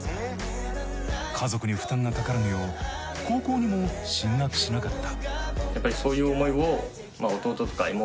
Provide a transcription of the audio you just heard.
家族に負担がかからぬよう高校にも進学しなかった。